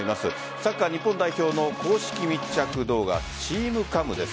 サッカー日本代表の公式密着動画ＴｅａｍＣａｍです。